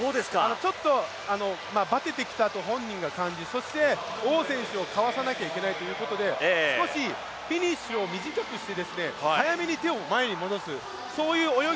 ちょっとバテてきたと本人が感じそして、王選手をかわさないといけないということで少しフィニッシュを短くして早めに手を前に戻す。